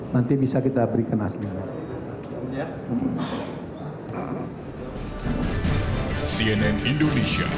nanti bisa kita berikan aslinya